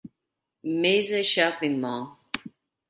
Mesa shopping mall.